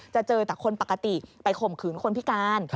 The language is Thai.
เจอแต่คนปกติไปข่มขืนคนพิการ